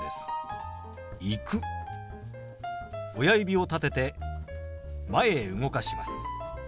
親指を立てて前へ動かします。